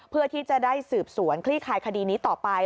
เพื่อที่จะได้สืบสวนคลี่คลายคดีนี้ต่อไป